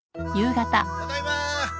ただいまー。